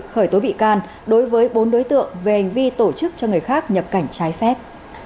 khởi tố bị can đối với bốn đối tượng về hành vi tổ chức cho người khác nhập cảnh trái phép